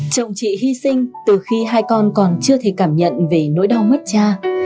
chồng chị hy sinh từ khi hai con còn chưa thể cảm nhận về nỗi đau mất cha